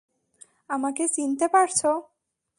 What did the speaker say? আমাকে চিনতে পারছ?